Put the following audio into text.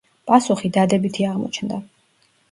პასუხი დადებითი აღმოჩნდა.